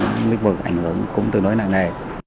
những lĩnh vực ảnh hưởng cũng tương đối nặng nề